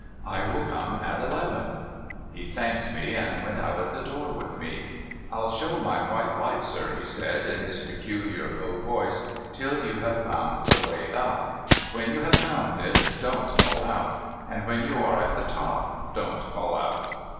' I will come at eleven.' He thanked me, and went out at the door with me. * I'll show my white light, sir,' he said, in his peculiar low voice, ' till you have A SPECTRAL WARNING 461 found the way up. 'When you have found it, don't call out ! And when you are at the top, don't call out